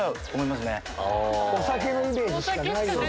お酒のイメージしかない。